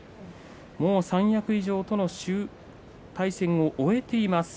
もう三役以上との対戦を終えています。